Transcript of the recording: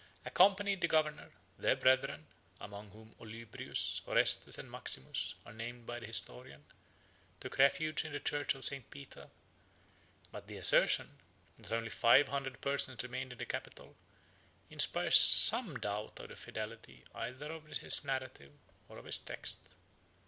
accompanied the governor; their brethren, among whom Olybrius, Orestes, and Maximus, are named by the historian, took refuge in the church of St. Peter: but the assertion, that only five hundred persons remained in the capital, inspires some doubt of the fidelity either of his narrative or of his text.